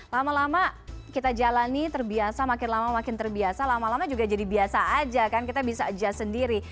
lama lama kita jalani terbiasa makin lama makin terbiasa lama lama juga jadi biasa aja kan kita bisa adjust sendiri